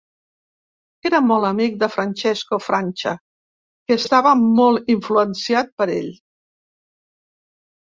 Era molt amic de Francesco Francia, que estava molt influenciat per ell.